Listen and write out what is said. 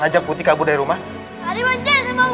ajak putri kabur dari rumah